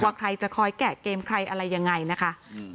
ใครจะคอยแกะเกมใครอะไรยังไงนะคะ